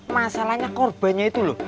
masalahnya korbannya itu loh